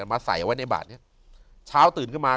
มาใส่ไว้ในบาดเนี่ย